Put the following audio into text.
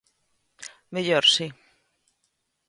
Mellor, si.